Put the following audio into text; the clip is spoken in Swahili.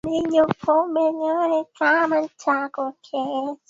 na Puerto Rico makoloni ya awali ya Hispania na kuwa yenyewe nchi